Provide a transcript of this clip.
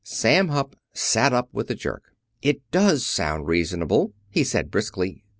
Sam Hupp sat up with a jerk. "It does sound reasonable," he said briskly.